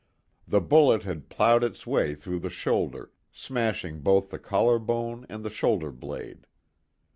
The bullet had ploughed its way through the shoulder, smashing both the collar bone and the shoulder blade.